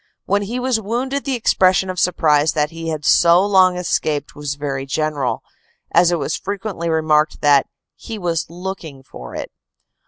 When he was wounded the expression of surprise that he had so long escaped was very general, as it was frequently remarked that he "was looking for it."